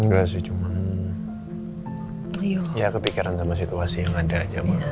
enggak sih cuma ya kepikiran sama situasi yang ada